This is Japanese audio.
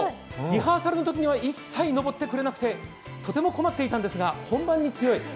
リハーサルのときには、一切登ってくれなくてとても困っていたんですが、本番に強い。